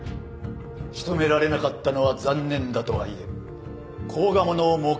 仕留められなかったのは残念だとはいえ甲賀者を目撃し追撃したのは君１人。